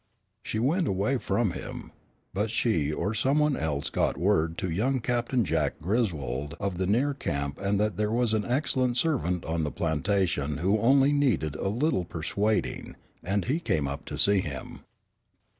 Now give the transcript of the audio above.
She went away from him, but she or some one else got word to young Captain Jack Griswold of the near camp that there was an excellent servant on the plantation who only needed a little persuading, and he came up to see him.